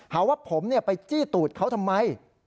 หาว่าผมไปจี้ตูดเขาทำไม